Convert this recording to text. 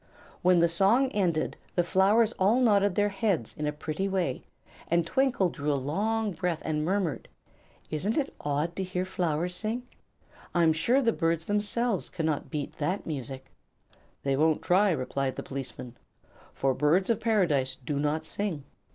When the song ended the flowers all nodded their heads in a pretty way, and Twinkle drew a long breath and murmured: "Isn't it odd to hear flowers sing? I'm sure the birds themselves cannot beat that music." "They won't try," replied the policeman, "for Birds of Paradise do not sing."